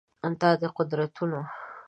دا د قدرتونو